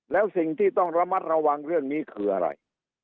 แล้วสิ่งที่ต้องระมัดระวังเรื่องนี้คืออะไร